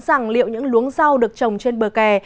rằng liệu những luống rau được trồng trên bờ kè